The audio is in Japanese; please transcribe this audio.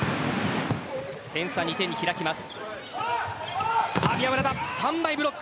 点差２点に開きます。